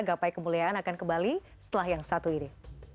gapai kemuliaan akan kembali setelah yang satu ini